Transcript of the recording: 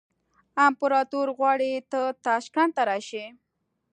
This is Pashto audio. امپراطور غواړي ته تاشکند ته راشې.